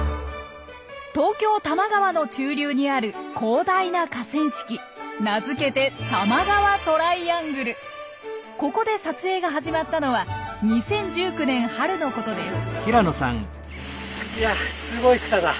東京多摩川の中流にある広大な河川敷名付けてここで撮影が始まったのは２０１９年春のことです。